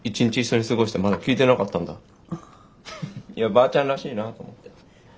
ばあちゃんらしいなと思って。